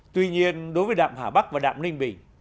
tuy nhiên đối với đạm hà bắc và đạm ninh bình